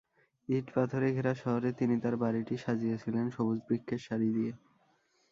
ইট-পাথরে ঘেরা শহরে তিনি তাঁর বাড়িটি সাজিয়েছিলেন সবুজ বৃক্ষের সারি দিয়ে।